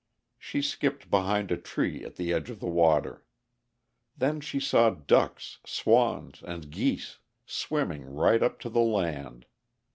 She skipped behind a tree at the edge of the water. Then she saw ducks, swans, and geese, swimming right up to the land.